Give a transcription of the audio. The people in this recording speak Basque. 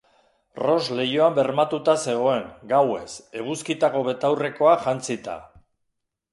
Ross leihoan bermatuta zegoen, gauez, eguzkitako betaurrekoak jantzita.